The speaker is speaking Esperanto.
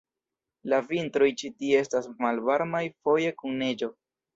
La vintroj ĉi tie estas malvarmaj, foje kun neĝo.